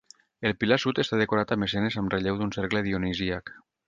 El pilar sud està decorat amb escenes amb relleu d'un cercle dionisíac.